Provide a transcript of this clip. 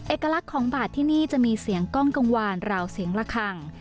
เอกลักษณ์ของบาทที่นี่จะมีเสียงกล้องกังวานราวเสียงละคัง